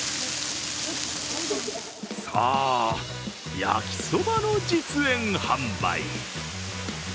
そう、焼きそばの実演販売。